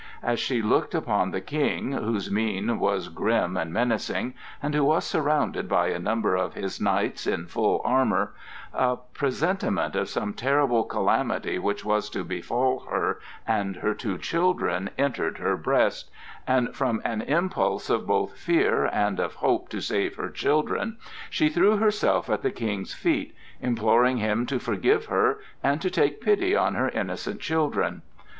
As she looked upon the King, whose mien was grim and menacing, and who was surrounded by a number of his knights in full armor, a presentiment of some terrible calamity which was to befall her and her two children entered her breast, and from an impulse of both fear, and of hope to save her children, she threw herself at the King's feet, imploring him to forgive her and to take pity on her innocent children.